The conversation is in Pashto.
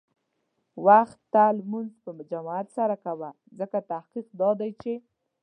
وخته لمونځ په جماعت سره کوه، ځکه تحقیق دا دی چې